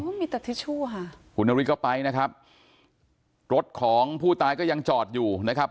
มีแต่ทิชชู่ค่ะคุณนฤทธิก็ไปนะครับรถของผู้ตายก็ยังจอดอยู่นะครับ